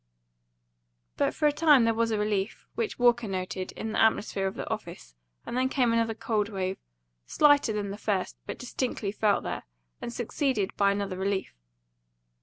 But for a time there was a relief, which Walker noted, in the atmosphere at the office, and then came another cold wave, slighter than the first, but distinctly felt there, and succeeded by another relief.